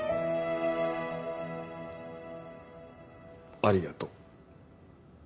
ありがとう。